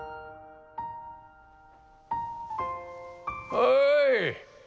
おい！